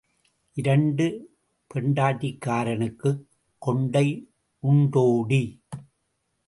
இரண்டு பெண்டாட்டிக்காரனுக்குக் கொண்டை உண்டோடி?